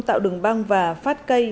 tạo đường băng và phát cây